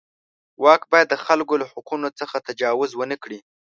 واک باید د خلکو له حقونو څخه تجاوز ونه کړي.